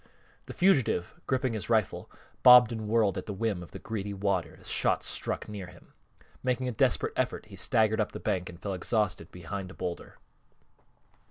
The fugitive, gripping his rifle, bobbed and whirled at the whim of the greedy water as shots struck near him. Making a desperate effort, he staggered up the bank and fell exhausted behind a bowlder.